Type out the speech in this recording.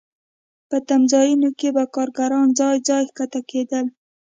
په تمځایونو کې به کارګران ځای ځای ښکته کېدل